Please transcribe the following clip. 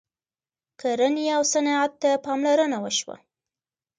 کرنې او صنعت ته پاملرنه وشوه.